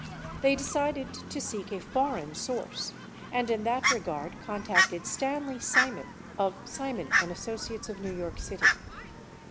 They decided to seek a foreign source and in that regard contacted Stanley Simon, of Simon & As sociates of New York City.